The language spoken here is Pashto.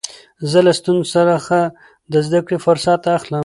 زه له ستونزو څخه د زدکړي فرصت اخلم.